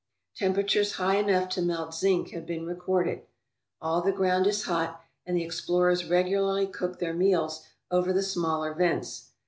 Tem peratures high enough to melt zinc have been recorded. All the ground is hot, and the explorers regularly cooked their meals over the smaller vents.